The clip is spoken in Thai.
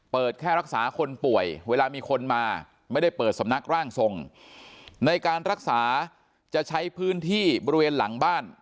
แค่รักษาคนป่วยเวลามีคนมาไม่ได้เปิดสำนักร่างทรงในการรักษาจะใช้พื้นที่บริเวณหลังบ้าน